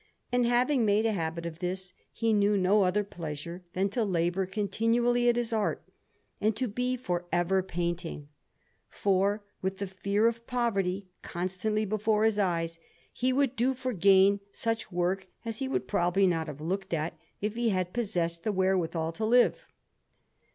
And, having made a habit of this, he knew no other pleasure than to labour continually at his art, and to be for ever painting; for with the fear of poverty constantly before his eyes, he would do for gain such work as he would probably not have looked at if he had possessed the wherewithal to live.